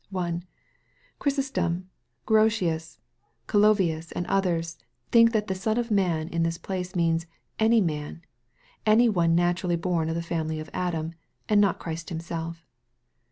1. Chrysostom, Grotius, Calovius, and others, think that the " son of man" in this place means " any man," any one naturally born of the family of Adam, and not Christ Himself.